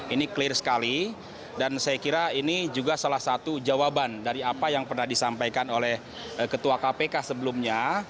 ini clear sekali dan saya kira ini juga salah satu jawaban dari apa yang pernah disampaikan oleh ketua kpk sebelumnya